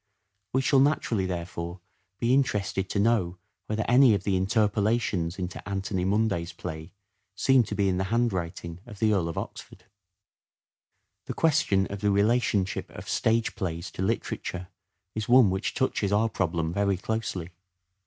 We shall naturally, therefore, be interested to know whether any of the interpolations into Anthony Munday's play seem to be in the handwriting of the Earl of Oxford. Stage plays The question of the relationship of stage plays to literature literature is one which touches our problem very closely.